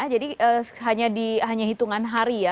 jadi hanya di hanya hitungan hari ya